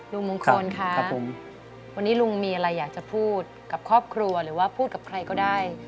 ลุงมงคลคะวันนี้ลุงมีอะไรอยากจะพูดกับครอบครัวหรือว่าพูดกับใครก็ได้